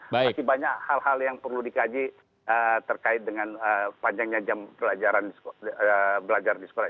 masih banyak hal hal yang perlu dikaji terkait dengan panjangnya jam belajar di sekolah